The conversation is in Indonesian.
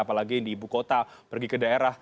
apalagi di ibu kota pergi ke daerah